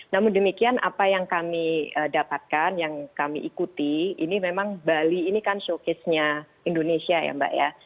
namun demikian apa yang kami dapatkan yang kami ikuti ini memang bali ini kan showcase nya indonesia ya mbak ya